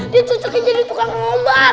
dia cucukin jadi tukang ngobat